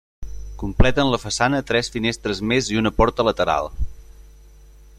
Completen la façana tres finestres més i una porta lateral.